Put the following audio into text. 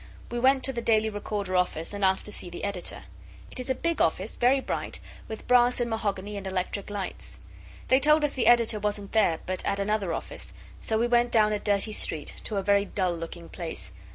We went to the Daily Recorder office, and asked to see the Editor. It is a big office, very bright, with brass and mahogany and electric lights. They told us the Editor wasn't there, but at another office. So we went down a dirty street, to a very dull looking place.